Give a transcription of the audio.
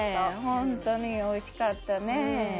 本当においしかったね。